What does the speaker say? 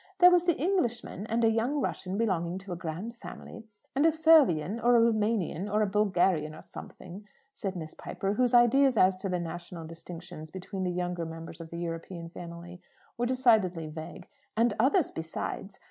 There was the Englishman, and a young Russian belonging to a grand family, and a Servian, or a Roumanian, or a Bulgarian, or something," said Miss Piper, whose ideas as to the national distinctions between the younger members of the European family were decidedly vague, "and others besides.